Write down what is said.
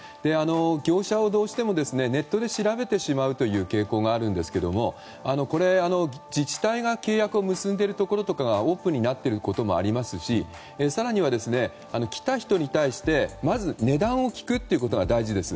業者をどうしてもネットで調べてしまうという傾向があるんですがこれは自治体が契約を結んでいるところがオープンになっていることもありますし更には、来た人に対してまず値段を聞くということが大事です。